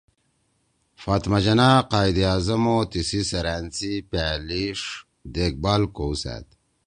فاطمہ جناح قائد اعظم او تیِسی سیرأن سی پألیِݜ )دیکھ بھال( کؤسأد